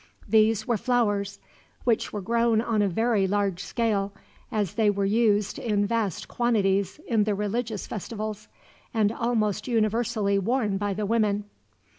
These were flowers, which were grown on a very large scale, as they were used in vast quantities in the religious festivals, and almost universally worn by the women.